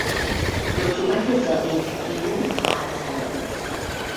رطوبت زائد بیرون خواهد تراوید.